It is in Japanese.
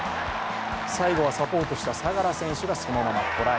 最後はサポートした相良選手がそのままトライ。